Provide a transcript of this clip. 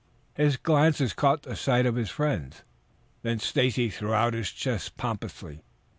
His glances caught sight of his friends. Then Stacy threw out his chest pompously.